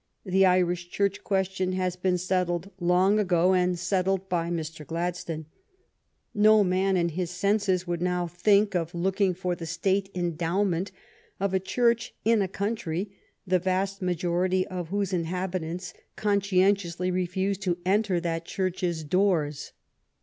The Irish Church question has been settled long ago, and settled by Mr. Gladstone. No man in his senses would now think of looking for the State endowment of a Church in a country the vast majority of whose inhabitants conscientiously refuse to enter that Church's doors.